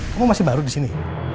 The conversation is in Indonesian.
kamu masih baru di sini